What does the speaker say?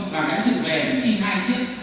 và đã sự về đã xin hai chiếc